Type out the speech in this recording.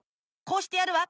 こうしてやるわ。